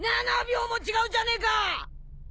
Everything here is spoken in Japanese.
７秒も違うじゃねえか！